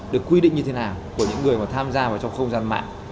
được quy định như thế nào của những người mà tham gia vào trong không gian mạng